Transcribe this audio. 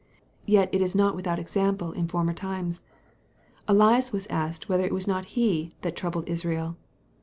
Yet it is not without example in former times. Elias was asked whether it was not he "that troubled Israel."